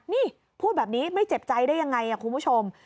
นี่พูดแบบนี้ไม่เจ็บใจได้ยังไงคุณผู้ชม